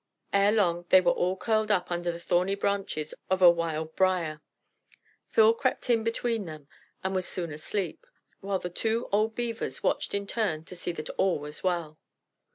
Ere long they were all curled up under the thorny branches of a wild brier. Phil crept in between them, and was soon asleep, while the two old Beavers watched in turn to see that all was well.